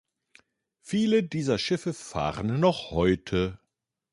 Viele dieser Schiffe fahren noch heute.